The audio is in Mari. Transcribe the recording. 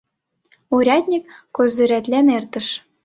Урядник козырятлен эртыш.